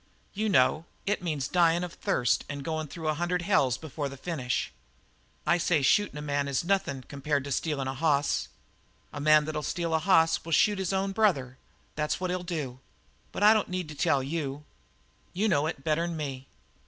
You know; it means dyin' of thirst and goin' through a hundred hells before the finish. I say shootin' a man is nothin' compared with stealin' a hoss. A man that'll steal a hoss will shoot his own brother; that's what he'll do. But I don't need to tell you. You know it better'n me.